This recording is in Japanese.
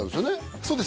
そうです